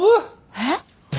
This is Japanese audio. えっ？